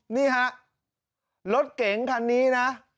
นี่ฮะรถเก๋งคันนี้นะ